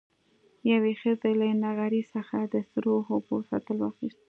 يوې ښځې له نغري څخه د سرو اوبو سطل واخېست.